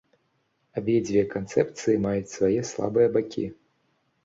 Абедзве канцэпцыі маюць свае слабыя бакі.